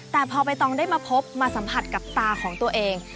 แต่พอใบตองได้มาพบมาสัมผัสกับตาของตัวเอง